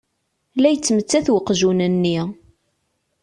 La yettmettat uqjun-nni.